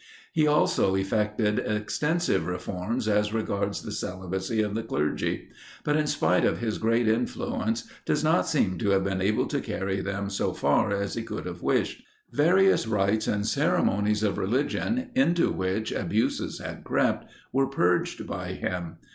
He also effected extensive reforms as regards the celibacy of the clergy; but, in spite of his great influence, does not seem to have been able to carry them so far as he could have wished. Various rites and ceremonies of religion, into which abuses had crept, were purged by him.